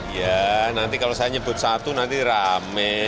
ya nanti kalau saya nyebut satu nanti rame